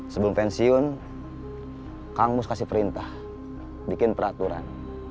sebelum pensiun kang mus kasih perintah bikin peraturan